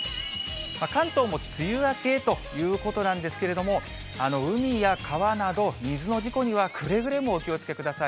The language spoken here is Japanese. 関東も梅雨明けへということなんですけれども、海や川など、水の事故にはくれぐれもお気をつけください。